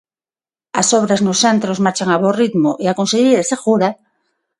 As obras nos centros marchan a bo ritmo e a conselleira asegura...